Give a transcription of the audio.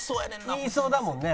言いそうだもんね